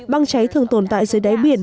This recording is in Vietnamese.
băng cháy thường tồn tại dưới đáy biển